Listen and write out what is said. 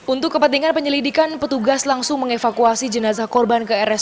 untuk kepentingan penyelidikan petugas langsung mengevakuasi jenazah korban ke rsu di jombang